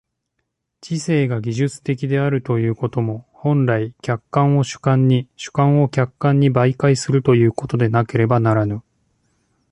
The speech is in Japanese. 知性が技術的であるということも、本来、客観を主観に、主観を客観に媒介するということでなければならぬ。